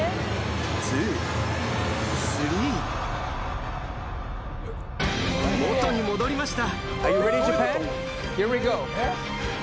２、３。元に戻りました。